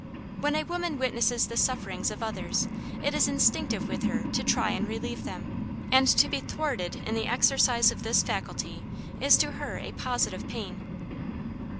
When a woman witnesses the sufferings of others it is instinctive with her to try and relieve them, and to be thwarted in the exercise of this faculty is to her a positive pain.